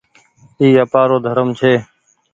اي آپآرو ڌرم ڇي۔